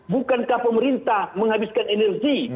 bukankah pemerintah kamu habiskan energi